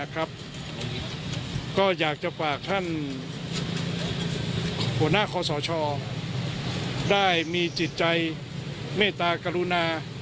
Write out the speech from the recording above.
ก็อยากจะฝากท่านหัวหน้าคอสชได้มีจิตใจเมตตากรุณา